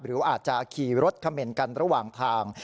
หรืออาจจะขี่รถเขม่นกันระหว่างทาง